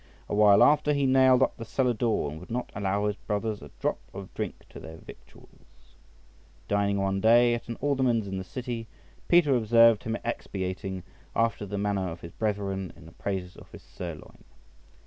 A while after he nailed up the cellar door, and would not allow his brothers a drop of drink to their victuals . Dining one day at an alderman's in the city, Peter observed him expatiating, after the manner of his brethren in the praises of his sirloin of beef.